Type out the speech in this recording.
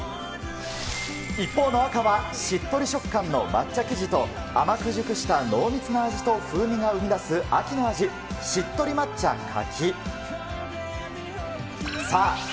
一方の赤は、しっとり食感の抹茶生地と、甘く熟した濃密な味と風味が生み出す秋の味、しっとり抹茶、柿。